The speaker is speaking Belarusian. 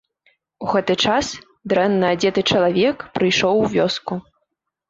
У гэты час дрэнна адзеты чалавек прыйшоў у вёску.